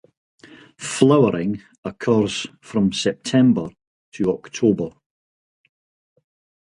Flowering occurs from September to October.